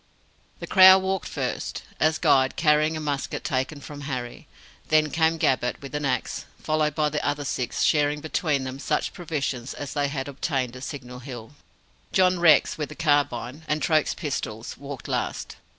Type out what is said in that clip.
The Crow walked first, as guide, carrying a musket taken from Harry. Then came Gabbett, with an axe; followed by the other six, sharing between them such provisions as they had obtained at Signal Hill. John Rex, with the carbine, and Troke's pistols, walked last.